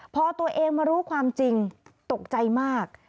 พอตัวเองมารู้ความจริงตกใจมาก